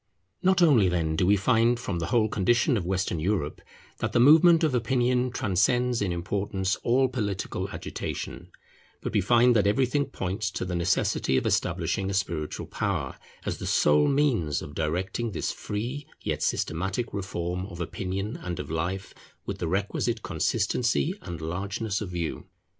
Not only then do we find from the whole condition of Western Europe that the movement of opinion transcends in importance all political agitation; but we find that everything points to the necessity of establishing a spiritual power, as the sole means of directing this free yet systematic reform of opinion and of life with the requisite consistency and largeness of view.